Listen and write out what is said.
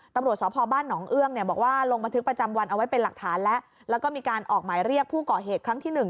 ตำรวจสพบ้านหนองเอื้องเนี่ยบอกว่าลงบันทึกประจำวันเอาไว้เป็นหลักฐานแล้วแล้วก็มีการออกหมายเรียกผู้ก่อเหตุครั้งที่หนึ่ง